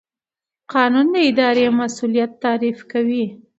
قانون د اداري مسوولیت تعریف کوي.